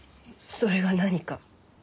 それが何か？